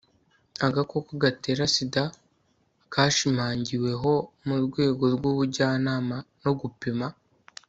agakoko gatera sida kashimangiweho mu rwego rw'ubujyanama no gupima